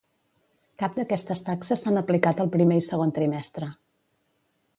Cap d'aquestes taxes s'han aplicat al primer i segon trimestre.